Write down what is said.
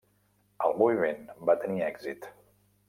El moviment va tenir èxit.